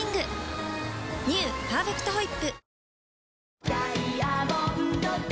「パーフェクトホイップ」